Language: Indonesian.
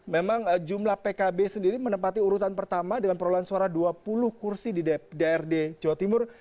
memang jumlah pkb sendiri menempati urutan pertama dengan perolahan suara dua puluh kursi di dprd jawa timur